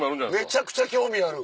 めちゃくちゃ興味ある！